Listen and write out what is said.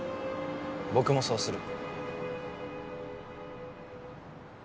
僕もそうする。